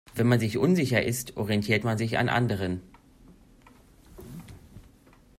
Wenn man sich unsicher ist, orientiert man sich an anderen.